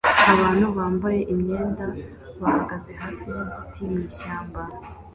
Abantu bambaye imyenda bahagaze hafi yigiti mwishyamba